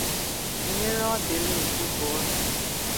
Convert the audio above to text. tinyéré Odili Ujubuonu